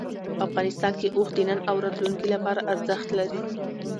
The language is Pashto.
افغانستان کې اوښ د نن او راتلونکي لپاره ارزښت لري.